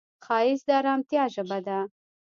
ښایست د ارامتیا ژبه ده